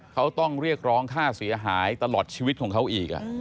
เขาต้องเรียกร้องค่าเสียหายตลอดชีวิตของเขาอีก